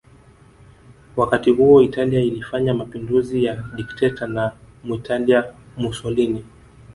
Wakati huo Italia ilifanya mapinduzi ya dikteta na Mwitalia Mussolini